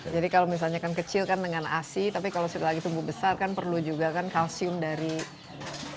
kalau misalnya kan kecil kan dengan asi tapi kalau sudah lagi tumbuh besar kan perlu juga kan kalsium dari luar